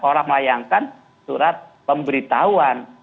orang melayangkan surat pemberitahuan